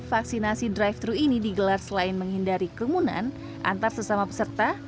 vaksinasi drive thru ini digelar selain menghindari kerumunan antar sesama peserta